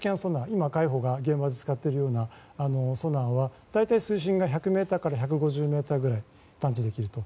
今、海保が現場で使っているソナーは大体水深が１００ｍから１５０ｍ探知できると。